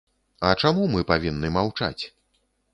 А чаму мы павінны маўчаць?